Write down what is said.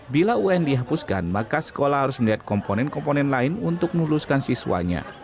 bila un dihapuskan maka sekolah harus melihat komponen komponen lain untuk meluluskan siswanya